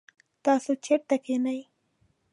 تاسو چیرته کښېنئ؟